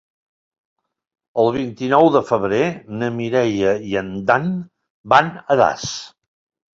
El vint-i-nou de febrer na Mireia i en Dan van a Das.